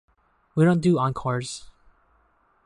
We don't do encores.